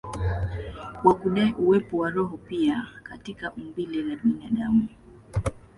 kwa kudai uwepo wa roho pia katika umbile la binadamu.